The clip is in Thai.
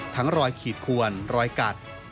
รอยขีดขวนรอยกัด